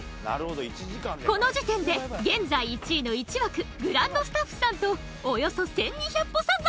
この時点で現在１位の１枠グランドスタッフさんとおよそ１２００歩差ザマス！